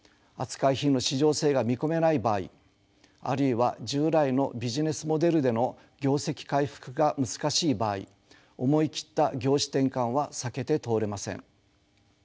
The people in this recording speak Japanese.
扱い品の市場性が見込めない場合あるいは従来のビジネスモデルでの業績回復が難しい場合思い切った業種転換は避けて通れません。